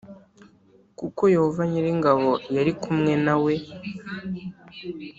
kuko Yehova nyir ingabo yari kumwe na we